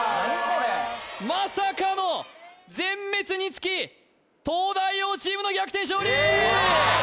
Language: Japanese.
まさかの全滅につき東大王チームの逆転勝利！